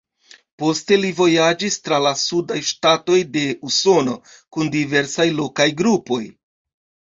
Poste li vojaĝis tra la sudaj ŝtatoj de Usono kun diversaj lokaj grupoj.